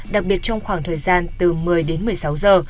đặc biệt trong khoảng thời gian từ một mươi đến một mươi sáu giờ